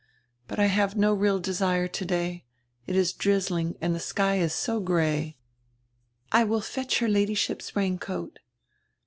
But I have no real desire today; it is drizzling and die sky is so gray." "I will fetch her Ladyship's raincoat."